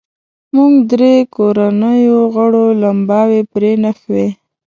موږ درې کورنیو غړو لمباوې پرې نښوې.